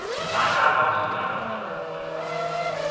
大家多選擇勇敢去面對吧！